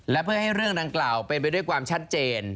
และเพื่อให้เรื่องดังกล่าวเป็นไปด้วยความชัดเจน